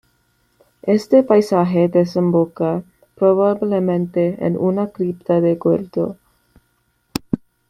Este pasaje desemboca probablemente en una cripta de culto.